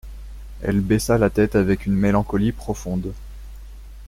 Elle baissa la tête avec une mélancolie profonde.